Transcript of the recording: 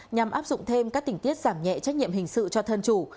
nhằm áp dụng thêm các tỉnh tiết giảm nhẹ trách nhiệm hình sự cho thân chủ